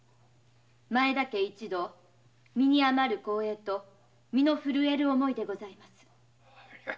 前田家一同身に余る光栄と身の震える思いでございます。